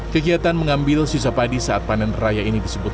kegiatan mengambil sisa padi saat panen raya ini disebut